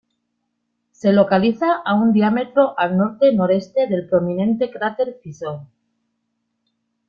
Se localiza a un diámetro al norte-noreste del prominente cráter Fizeau.